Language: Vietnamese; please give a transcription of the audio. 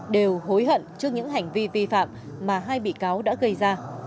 đều hối hận trước những hành vi vi phạm mà hai bị cáo đã gây ra